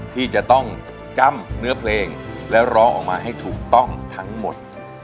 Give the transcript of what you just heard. ที่จะต้องจ้ำเนื้อเพลงและร้องออกมาให้ถูกต้องทั้งหมด